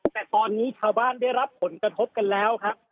แต่ตอนนี้ชาวบ้านได้รับผลกระทบกันแล้วครับ